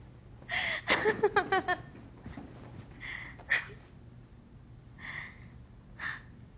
フフフフ。